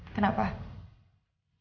aku malah harus terus ketemu sama kamu